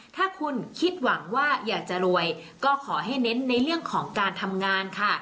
ถ้าคุณคิดหวังว่าอยากจะรวยก็ขอให้เน้นในเรื่องของการทำงานค่ะ